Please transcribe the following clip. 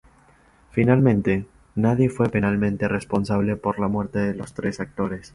Finalmente, nadie fue penalmente responsable por la muerte de los tres actores.